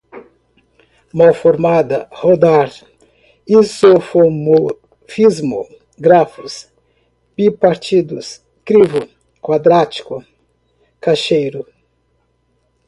polilogarítmico, desordenada, mal-formada, rodar, isomofismo, grafos bipartidos, crivo quadrático, cacheiro